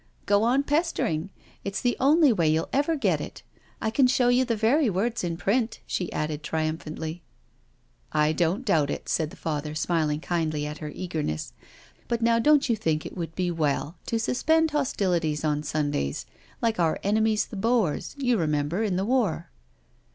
"Go on pestering— it's the only way you'll ever get it. I can show you the very words in print," she added triumphantly. " I don't doubt it," said the Father, smiling kindly at her eagerness. " But now don't you think it would be well to suspend hostilities on Sundays — like our enemies the Boers, you remember, in the war?"